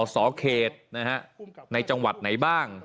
สเขตในจังหวัดไหนบ้าง